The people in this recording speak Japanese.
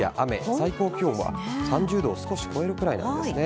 最高気温は、３０度を少し超えるくらいなんですね。